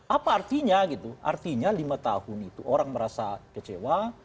apa artinya gitu artinya lima tahun itu orang merasa kecewa